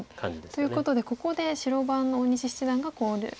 ということでここで白番の大西七段が考慮時間中です。